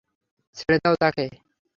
ছেড়ে দাও তাকে?